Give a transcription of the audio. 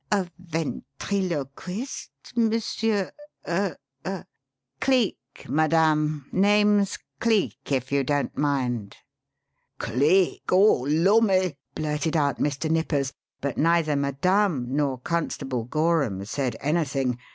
"A ventriloquist, monsieur er er!" "Cleek, madame name's Cleek, if you don't mind." "Cleek! Oh, Lummy!" blurted out Mr. Nippers. But neither "madame" nor Constable Gorham said anything.